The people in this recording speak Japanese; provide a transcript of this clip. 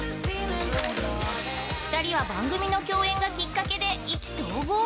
２人は、番組の共演がきっかけで意気投合。